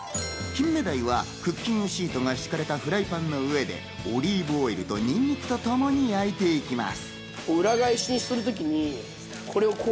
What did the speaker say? キンメダイはクッキングシートが敷かれたフライパンの上でオリーブオイルとニンニクとともに焼いていきます。